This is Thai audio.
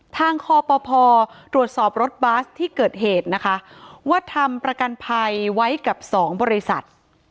ทางคอปภตรวจสอบรถบัสที่เกิดเหตุนะคะว่าทำประกันภัยไว้กับสองบริษัท